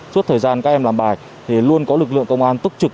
suốt thời gian các em làm bài thì luôn có lực lượng công an túc trực